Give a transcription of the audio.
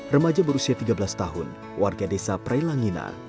remaja berusia tiga belas tahun warga desa prelangina kecamatan haharuka bukit timur